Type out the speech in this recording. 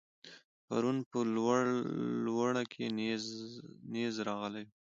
پرون په لوړه کې نېز راغلی و.